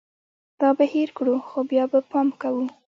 دا به هېر کړو ، خو بیا به پام کوو